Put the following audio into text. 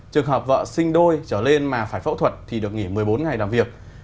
trường hợp vợ sinh đôi trở lên mà phải phẫu thuật thì được nghỉ một mươi bốn ngày làm việc